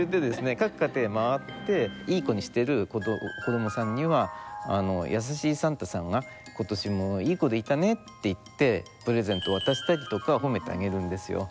各家庭回って良い子にしてる子どもさんには優しいサンタさんが今年も良い子でいたねって言ってプレゼントを渡したりとか褒めてあげるんですよ。